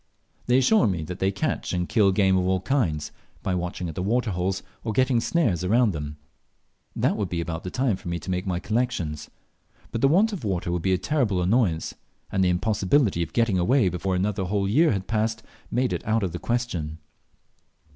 They assure me that they catch and kill game of all kinds, by watching at the water holes or setting snares around them. That would be the time for me to make my collections; but the want of water would be a terrible annoyance, and the impossibility of getting away before another whole year had passed made it out of the question.